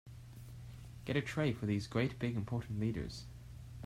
Get a tray for these great big important leaders.